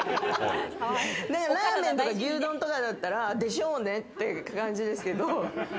ラーメンとか牛丼とかだったら、でしょうねって感じですけれど。